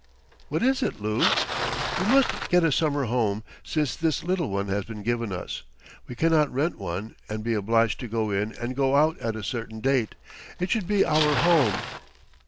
"What is it, Lou?" "We must get a summer home since this little one has been given us. We cannot rent one and be obliged to go in and go out at a certain date. It should be our home."